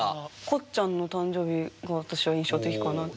こっちゃんの誕生日が私は印象的かな。